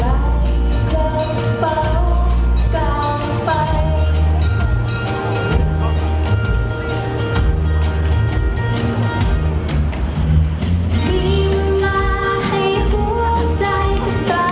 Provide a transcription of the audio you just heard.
อันนี้มันก็เป็นเรื่องที่เราควบคุมไม่ได้เนอะ